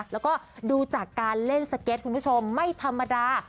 แล้วก็ดูจากการเล่นสเก็ตไม่ธรรมดา